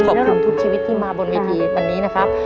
ขอบคุณทุกชีวิตที่มาบนเวทีวันนี้นะครับ